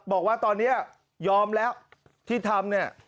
บอกว่าตอนนี้ยอมแล้วที่ทำเนี่ย